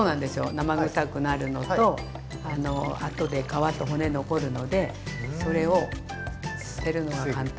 生臭くなるのとあとで皮と骨残るのでそれを捨てるのが簡単。